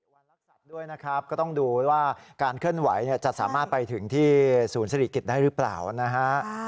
รักสัตว์ด้วยนะครับก็ต้องดูว่าการเคลื่อนไหวจะสามารถไปถึงที่ศูนย์ศิริกิจได้หรือเปล่านะฮะ